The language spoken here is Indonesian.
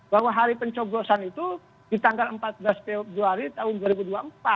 bahwa hari pencoblosan itu di tanggal empat belas februari tahun dua ribu dua puluh empat